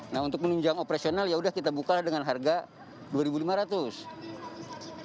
nah untuk menunjang operasional ya udah kita bukalah dengan harga rp dua lima ratus